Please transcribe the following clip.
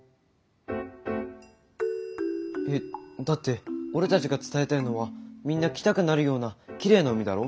えだって俺たちが伝えたいのはみんな来たくなるようなきれいな海だろ？